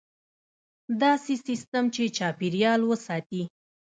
داسې سیستم چې چاپیریال وساتي.